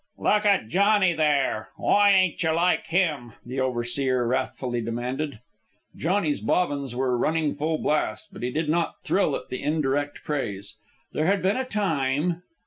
"Look at Johnny there why ain't you like him?" the overseer wrathfully demanded. Johnny's bobbins were running full blast, but he did not thrill at the indirect praise. There had been a time...